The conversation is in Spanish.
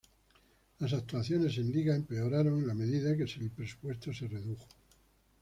Las actuaciones en liga empeoraron en la medida que el presupuesto se redujo.